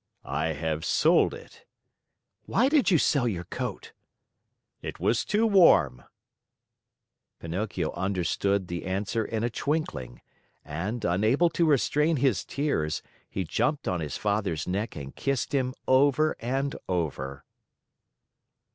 "I have sold it." "Why did you sell your coat?" "It was too warm." Pinocchio understood the answer in a twinkling, and, unable to restrain his tears, he jumped on his father's neck and kissed him over and over.